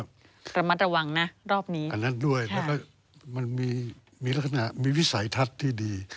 ระมัดระวังนะรอบนี้อันนั้นด้วยแล้วก็มันมีลักษณะมีวิสัยทัศน์ที่ดี